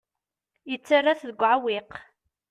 Yettarra-t deg uɛewwiq.